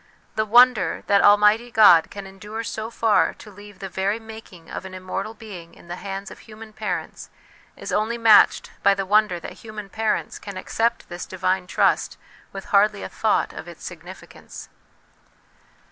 The wonder that Almighty God can endure so far to leave the very making of an immortal b^ing in the hands of human parents is only matched by the wonder that human parents can accept this divine trust with hardly a thought of its significance.